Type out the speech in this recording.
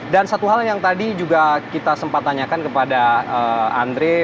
dan satu hal yang tadi juga kita sempat tanyakan kepada andre